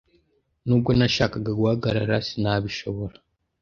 Nubwo nashakaga guhagarara, sinabishobora.